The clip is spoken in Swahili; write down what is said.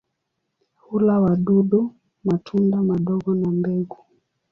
Hula wadudu, matunda madogo na mbegu.